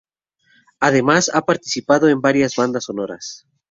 Además ha participado en varias bandas sonoras.